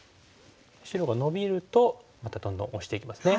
白がノビるとまたどんどんオシていきますね。